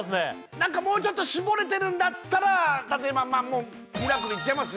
何かもうちょっと絞れてるんだったら例えばまあもうミラクルいっちゃいます？